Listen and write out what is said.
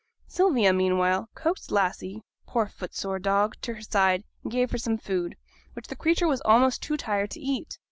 Sylvia, meanwhile, coaxed Lassie poor footsore dog to her side, and gave her some food, which the creature was almost too tired to eat.